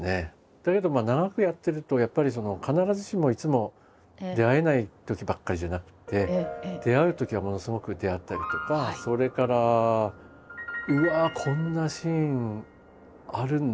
だけど長くやってるとやっぱりその必ずしもいつも出会えないときばっかりじゃなくて出会うときはものすごく出会ったりとかそれから「うわ！こんなシーンあるんだ！」